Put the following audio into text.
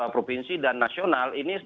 provinsi dan nasional ini